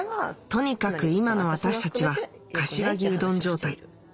とにかく今の私たちは柏木うどん状態